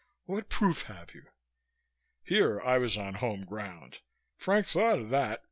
"What proof have you?" Here I was on home ground. "Frank thought of that.